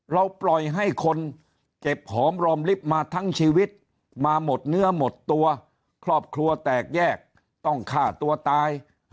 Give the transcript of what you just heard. เราปล่อยให้คนเจ็บหอมรอมลิฟต์มาทั้งชีวิตมาหมดเนื้อหมดตัวครอบครัวแตกแยกต้องฆ่าตัวตาย